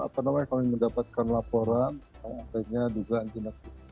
pada awal kami mendapatkan laporan